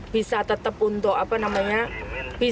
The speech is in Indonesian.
bisa tetap untuk pengendalian banjir